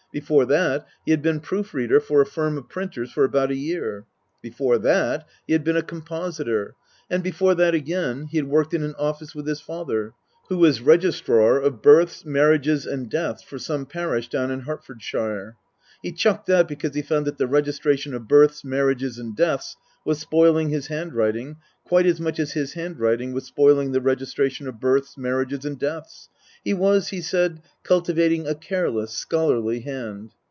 Before that he had been proof reader for a firm of printers for about a year. Before that he had been a compositor. And before that again he had worked in an office with his father, who was Registrar of Births, Marriages and Deaths for some parish down in Hertfordshire. He chucked that because he found that the registration of births, marriages and deaths was spoiling his handwriting quite as much as his handwriting was spoiling the registra tion of births, marriages and deaths. (He was, he said, cultivating a careless, scholarly hand.)